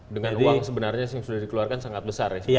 dengan uang sebenarnya yang sudah dikeluarkan sangat besar ya